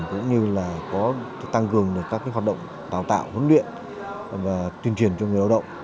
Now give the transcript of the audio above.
cũng như là có tăng cường được các cái hoạt động tạo tạo huấn luyện và truyền truyền cho người lao động